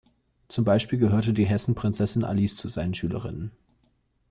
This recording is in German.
Zum Beispiel gehörte die Hessen-Prinzessin Alice zu seinen Schülerinnen.